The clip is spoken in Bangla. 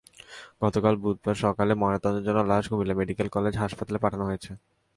গতকাল বুধবার সকালে ময়নাতদন্তের জন্য লাশ কুমিল্লা মেডিকেল কলেজ হাসপাতালে পাঠানো হয়েছে।